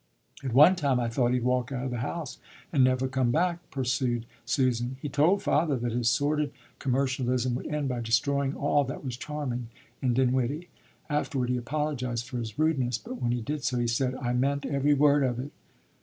"At one time I thought he'd walk out of the house and never come back," pursued Susan. "He told father that his sordid commercialism would end by destroying all that was charming in Dinwiddie. Afterward he apologized for his rudeness, but when he did so, he said, 'I meant every word of it.'"